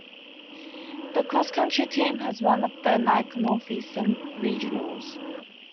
The Cross Country team has run at the Nike Northeastern Regionals.